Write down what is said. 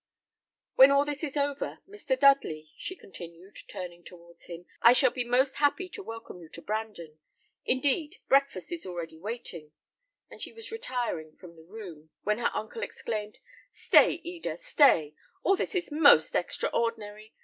When all this is over, Mr. Dudley," she continued, turning towards him, "I shall be most happy to welcome you to Brandon; indeed, breakfast is already waiting;" and she was retiring from the room, when her uncle exclaimed, "Stay, Eda, stay! All this is most extraordinary!